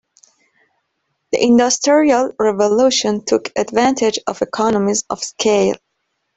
The industrial revolution took advantage of economies of scale.